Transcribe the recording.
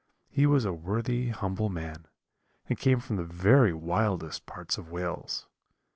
He was a worthy humble man, and came from the very wildest parts of Wales.